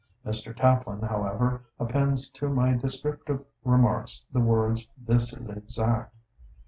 Mr. Taplin, however, appends to my descriptive remarks the words "this is exact."